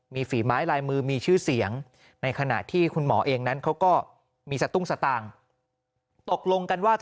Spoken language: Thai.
มีฝีไม้ลายมือมีชื่อเสียงในขณะที่คุณหมอเองนั้นเขาก็มีสตุ้งสตางค์ตกลงกันว่า